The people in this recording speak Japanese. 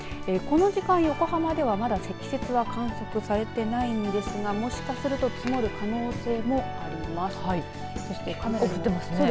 この時間、横浜ではまだ積雪は観測されていないんですがもしかすると積もる可能性もあります。